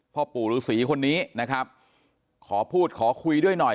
พ่อปู่ฤษีคนนี้นะครับขอพูดขอคุยด้วยหน่อย